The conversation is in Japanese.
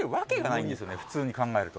普通に考えると。